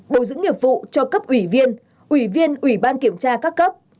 bồi dưỡng nghiệp vụ cho cấp ủy viên ủy viên ủy ban kiểm tra các cấp